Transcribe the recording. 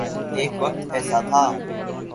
ایک وقت ایسا تھا۔